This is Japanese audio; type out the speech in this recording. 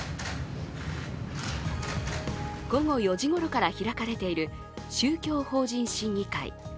午後４時ごろから開かれている宗教法人審議会。